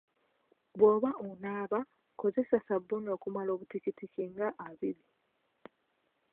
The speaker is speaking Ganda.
Bw’oba onaaba, kozesa ssabbuuni okumala obutikitiki nga abiri.